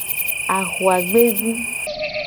Ahuagbeji.